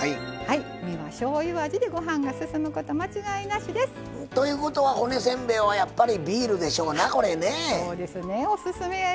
身はしょうゆ味でご飯が進むこと間違いなしです。ということは骨せんべいはやっぱりビールでしょうなこれねえ。